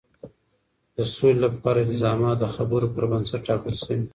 د سولې لپاره الزامات د خبرو پر بنسټ ټاکل شوي.